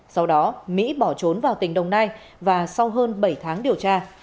sau đó mỹ bỏ trốn vào tỉnh đồng nai và sau hơn bảy tháng điều tra